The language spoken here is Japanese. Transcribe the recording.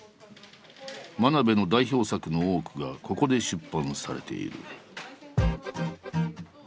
真鍋の代表作の多くがここで出版されている。